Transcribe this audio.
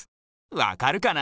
わかるかな？